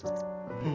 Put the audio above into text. うん。